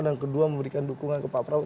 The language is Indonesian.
dan kedua memberikan dukungan kepada pak prabowo